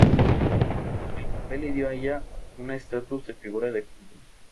El papel le dio a ella una estatus de figura de culto.